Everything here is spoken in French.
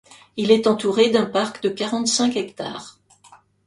Il est entouré d'un parc de quarante-cinq hectares.